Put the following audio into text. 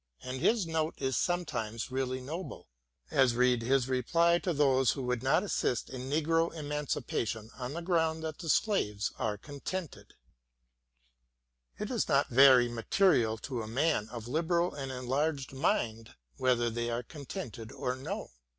And his note is sometimes really noble, as read his reply to those who would not assist in negro emancipation on the ground that the slaves are contented : It is not very material to a man of liberal and enlarged mind whether they are contented or no.